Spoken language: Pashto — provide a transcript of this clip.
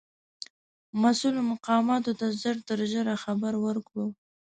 مسؤولو مقاماتو ته ژر تر ژره خبر ورکړو.